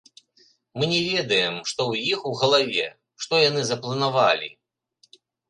Мы не ведаем, што ў іх у галаве, што яны запланавалі.